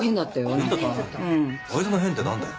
あいつの変って何だよ？